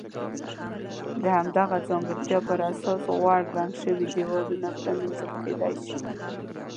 د همدغې ځانګړتیا پر اساس غوړ رنګ شوي دېوالونه پرېمنځل کېدای شي.